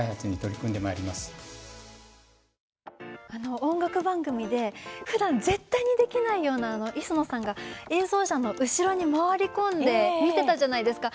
音楽番組でふだん絶対にできないような演奏者の後ろに回り込んで見ていたじゃないですか。